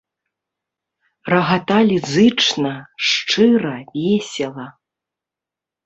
Рагаталі зычна, шчыра, весела.